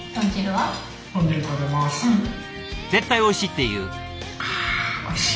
絶対「おいしい」って言う。